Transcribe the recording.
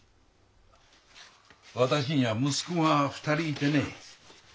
私には息子が２人いてね。